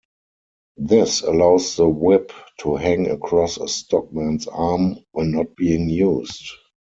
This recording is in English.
This allows the whip to hang across a stockman's arm when not being used.